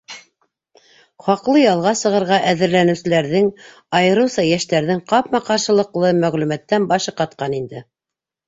Хаҡлы ялға сығырға әҙерләнеүселәрҙең, айырыуса йәштәрҙең, ҡапма-ҡаршылыҡлы мәғлүмәттән башы ҡатҡан инде.